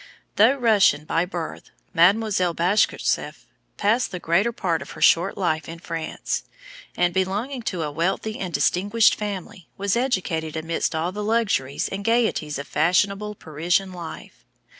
Though Russian by birth, Mademoiselle Bashkirtseff passed the greater part of her short life in France, and, belonging to a wealthy and distinguished family, was educated amidst all the luxuries and gayeties of fashionable Parisian life.